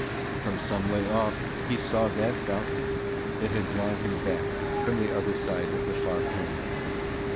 From some way off he saw that balcony that had drawn him back from the other side of the far Pyrenees.